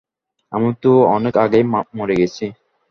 আমি তো অনেক আগেই মরে গেছি।